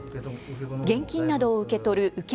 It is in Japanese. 現金などを受け取る受け